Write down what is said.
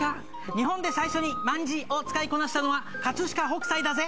日本で最初に卍を使いこなしたのは飾北斎だぜ。